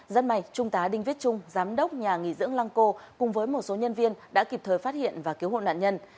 rất may trung tá đinh viết trung giám đốc nhà nghỉ dưỡng lăng cô cùng với một số nhân viên đã kịp thời phát hiện và cứu hộ nạn nhân